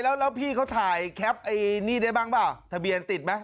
แล้วพี่เขาถ่ายแคปไอ้นี่ได้บ้างเปล่าทะเบียนติดไหม